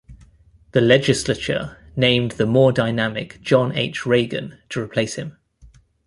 The legislature named the more dynamic John H. Reagan to replace him.